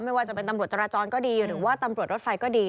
ไม่ว่าจะเป็นตำรวจจราจรก็ดีหรือว่าตำรวจรถไฟก็ดี